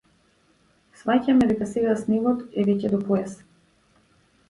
Сфаќаме дека сега снегот е веќе до појас.